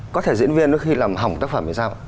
có thể diễn viên nó khi làm hỏng tác phẩm thì sao